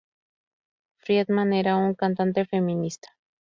Friedman era una cantante feminista.